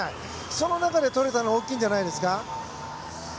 その中でとれたのは大きいんじゃないですか？